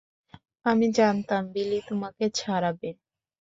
আমি জানতাম বিলি তোমাকে ছাড়াবে।